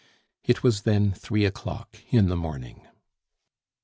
It was then three o'clock in the morning.